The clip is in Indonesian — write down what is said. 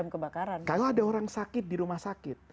kalau ada orang sakit di rumah sakit